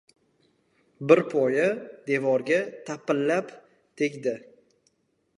Bir poyi devorga tapillab tegdi.